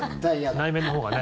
内面のほうがね。